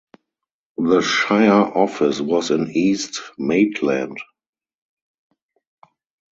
The shire office was in East Maitland.